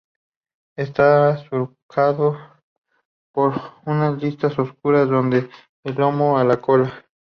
Está surcado por unas listas oscuras desde el lomo a la cola.